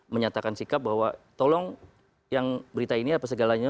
menyatakan sikap bahwa tolong yang berita ini apa segalanya